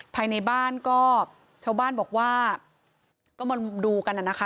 ภายในบ้านก็ชาวบ้านบอกว่าก็มาดูกันน่ะนะคะ